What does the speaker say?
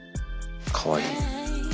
かわいい。